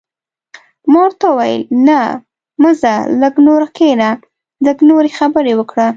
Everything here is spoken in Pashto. ما ورته وویل: نه، مه ځه، لږ نور کښېنه، لږ نورې خبرې وکړه.